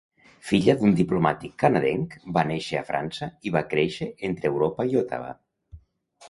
Filla d'un diplomàtic canadenc, va néixer a França i va créixer entre Europa i Ottawa.